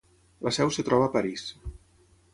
La seu es troba a París.